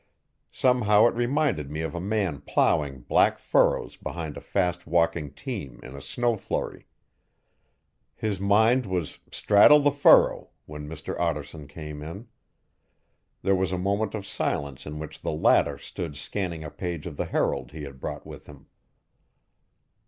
Somehow it reminded me of a man ploughing black furrows behind a fast walking team in a snow flurry. His mind was 'straddle the furrow' when Mr Ottarson came in. There was a moment of silence in which the latter stood scanning a page of the Herald he had brought with him.